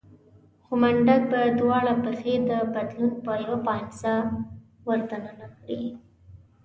خو منډک به دواړه پښې د پتلون په يوه پایڅه ور دننه کړې.